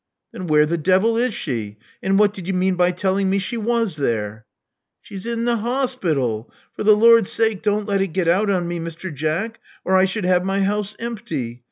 Then where the devil is she; and what did you mean by telling me she was there?" She's in the 'ospittle. For the Lord's sake don't let it get out on me, Mr. Jack, or I should have my house empty.